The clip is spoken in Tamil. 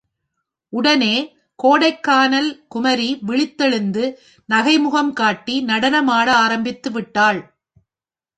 உடனே கோடைக்கானல் குமரி விழித்தெழுந்து நகை முகம் காட்டி நடனமாட ஆரம்பித்து விட்டாள்.